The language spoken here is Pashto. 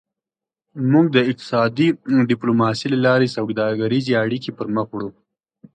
موږ د اقتصادي ډیپلوماسي له لارې سوداګریزې اړیکې پرمخ وړو